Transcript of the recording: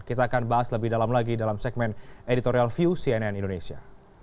kita akan bahas lebih dalam lagi dalam segmen editorial view cnn indonesia